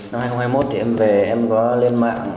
thì năm hai nghìn hai mươi một em về em có lên mạng